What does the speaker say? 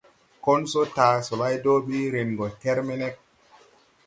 Konsɔ taa solay do bi, ren gɔ kermeneg.